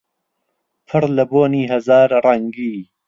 پڕ لە بۆنی هەزار ڕەنگی